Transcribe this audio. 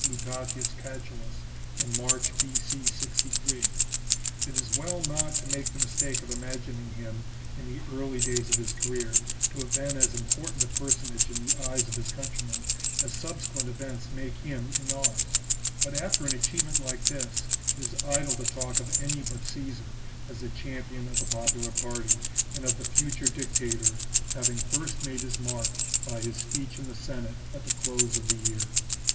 Luta tius Catulus in March B.C. 6^. It is well not to make XXVI INTRODUCTION TO THE the mistake of imagining him in the early days of his career to have been as important a personage in the eyes of his countrymen as subsequent events make him in ours ; but, after an achievement Hke this, it is idle to talk of any but Caesar as the champion of the popular party, and of the future dictator having first made his mark by his speech in the Senate at the close of the year.